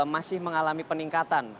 masih mengalami peningkatan